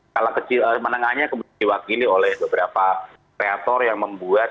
kala kecil menengahnya kemudian diwakili oleh beberapa kreator yang membuat